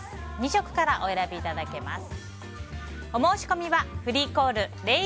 ２色からお選びいただけます。